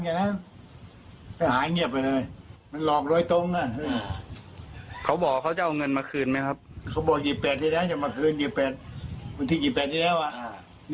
ไม่มาเลยพอรีบเข้ามาตรงนั้นพอเรียกอ้าวรถออกไปเลยแบบนี้รถออกไปเลย